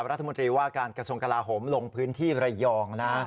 รัฐมนตรีว่าการกระทรวงกลาโหมลงพื้นที่ระยองนะ